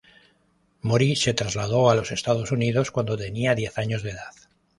Mori se trasladó a los Estados Unidos cuando tenía diez años de edad.